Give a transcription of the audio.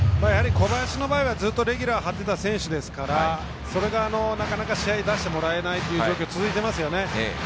小林の場合はずっとレギュラーを張っていた選手ですから、それがなかなか試合に出してもらえない状況が続いていますよね。